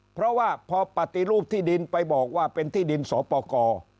เพราะว่าพอปฏิรูปที่ดินไปบอกว่าเป็นที่ดินสปกร